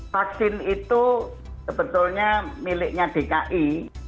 vaksin itu sebetulnya miliknya dki